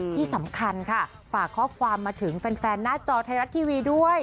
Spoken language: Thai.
ที่สำคัญค่ะฝากข้อความมาถึงแฟนหน้าจอไทยรัฐทีวีด้วย